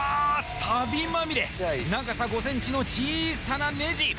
サビまみれ長さ５センチの小さなネジ